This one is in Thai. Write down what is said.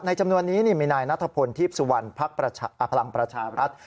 จำนวนนี้มีนายนัทพลทีพสุวรรณภักดิ์พลังประชารัฐ